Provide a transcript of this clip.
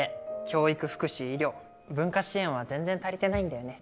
教育福祉医療文化支援は全然足りてないんだよね。